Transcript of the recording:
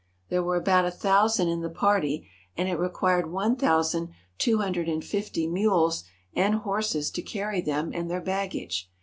There were about a thousand in the party, and it required one thousand two hundred and fifty mules and horses to carry them and their baggage.